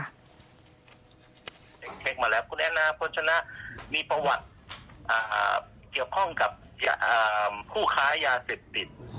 เช็คมาแล้วคุณแอนนาโภชนะมีประวัติเกี่ยวข้องกับผู้ค้ายาเสพติด